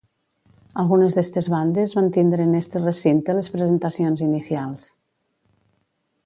Algunes d'estes bandes van tindre en este recinte les presentacions inicials.